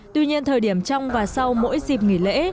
tuy nhiên thời điểm trong và sau mỗi dịp nghỉ lễ